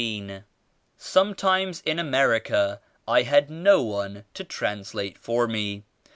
"Sometimes in America I had no one to trans late for me.